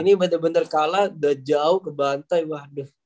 ini bener bener kalah udah jauh ke bantai waduh